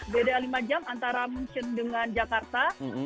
beda lima jam antara munchen dengan jakarta